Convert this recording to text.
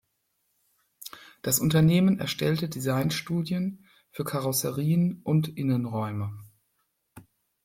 Das Unternehmen erstellte Designstudien für Karosserien und Innenräume.